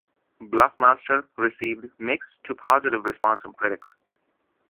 "Bluffmaster" received mixed to positive response from critics.